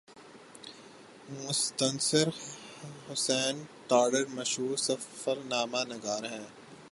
مستنصر حسین تارڑ مشہور سفرنامہ نگار ہیں